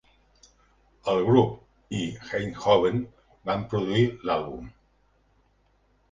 El grup i Hein Hoven van produir l'àlbum.